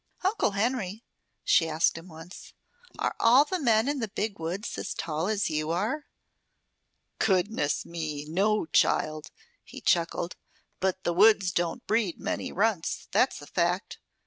"Uncle Henry," she asked him once, "are all the men in the Big Woods as tall as you are?" "Goodness me! No, child," he chuckled. "But the woods don't breed many runts, that's a fact.